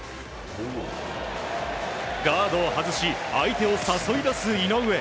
ガードを外し相手を誘い出す井上。